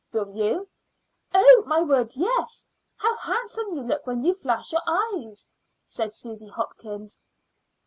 Will you?" "Oh, my word, yes! How handsome you look when you flash your eyes!" said Susy Hopkins.